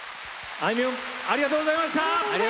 あいみょんありがとうございました。